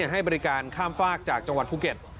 ให้บริการข้ามฝากจากจังหวัดภูเก็ต